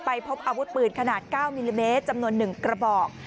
พบอาวุธปืนขนาด๙มิลลิเมตรจำนวน๑กระบอก